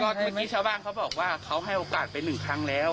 ตอนนี้ชาวบ้านเขาบอกว่าเขาให้โอกาสไปหนึ่งครั้งแล้ว